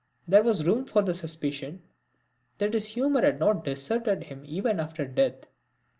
There was room for the suspicion that his humour had not deserted him even after death.